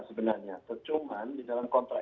sebenarnya percuma di dalam kontrak